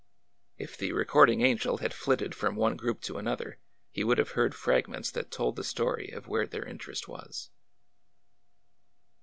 If the recording angel had flitted from one group to another, he would have heard fragments that told the story of where their interest was.